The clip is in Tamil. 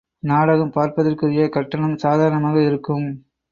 நாடகம் பார்ப்பதற்குரிய கட்டணம் சாதாரணமாக இருக்கும்.